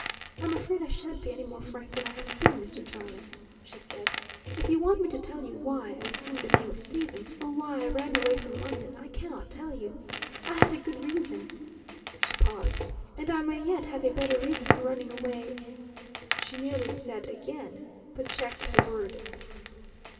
"I'm afraid I shan't be any more frank than I have been, Mr. Tarling," she said. "If you want me to tell you why I assumed the name of Stevens, or why I ran away from London, I cannot tell you. I had a good reason " she paused, "and I may yet have a better reason for running away...." She nearly said "again" but checked the word.